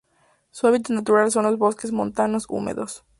Su hábitat natural son los bosques montanos húmedos.